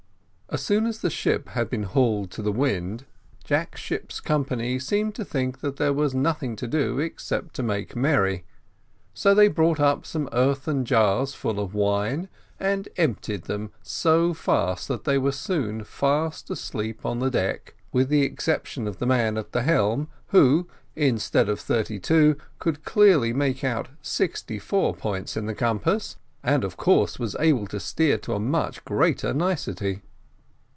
As soon as the ship had been hauled to the wind, Jack's ship's company seemed to think that there was nothing to do except to make merry, so they brought some earthen jars full of wine, and emptied them so fast that they were soon fast asleep on the deck, with the exception of the man at the helm, who, instead of thirty two, could clearly make out sixty four points in the compass, and of course was able to steer to a much greater nicety.